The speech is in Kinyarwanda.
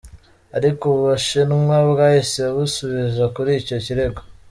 Ariko Ubushinwa bwahise busubiza kuri icyo kirego.